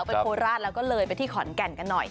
โคราชแล้วก็เลยไปที่ขอนแก่นกันหน่อย